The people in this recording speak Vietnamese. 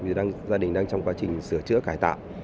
vì gia đình đang trong quá trình sửa chữa cải tạo